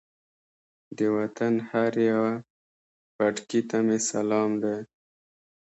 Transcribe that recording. د وطن هر یوه پټکي ته مې سلام دی.